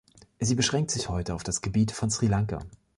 Sie beschränkt sich heute auf das Gebiet von Sri Lanka.